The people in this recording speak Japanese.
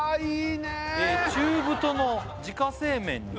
「中太の自家製麺に」